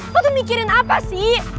mau tuh mikirin apa sih